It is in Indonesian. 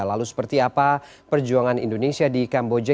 lalu seperti apa perjuangan indonesia di kamboja